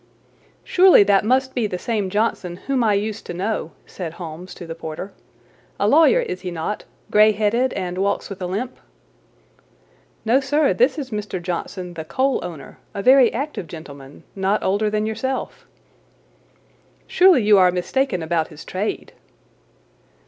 "Surely that must be the same Johnson whom I used to know," said Holmes to the porter. "A lawyer, is he not, grey headed, and walks with a limp?" "No, sir, this is Mr. Johnson, the coal owner, a very active gentleman, not older than yourself." "Surely you are mistaken about his trade?"